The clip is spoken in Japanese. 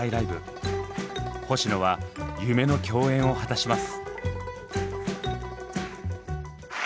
星野は夢の共演を果たします。